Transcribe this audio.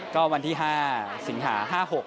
ก็วันที่๕สิงหา๕๖